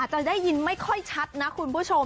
จะได้ยินไม่ค่อยชัดนะคุณผู้ชม